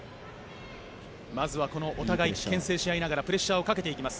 まずはこのお互いけん制し合いながらプレッシャーをかけていきます。